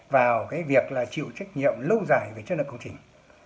vào việc chịu trách nhiệm lâu dài với chất lượng công trình